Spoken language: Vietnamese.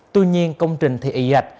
tuy nhiên công trình thì ị ạch